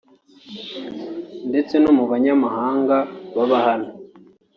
ndetse no mu banyamahanga baba hano”